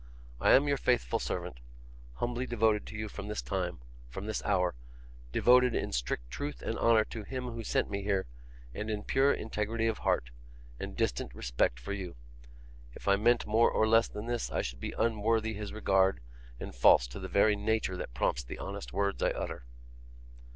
I am your faithful servant, humbly devoted to you from this hour, devoted in strict truth and honour to him who sent me here, and in pure integrity of heart, and distant respect for you. If I meant more or less than this, I should be unworthy his regard, and false to the very nature that prompts the honest words I utter.